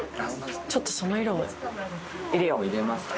ちょっとその色を入れよう。入れますか。